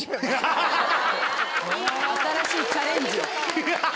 新しいチャレンジよ。